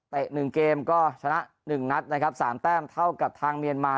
๑เกมก็ชนะ๑นัดนะครับ๓แต้มเท่ากับทางเมียนมา